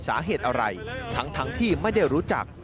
สาเหตุอะไรทั้งทั้งที่ที่มันไม่ได้รู้จัก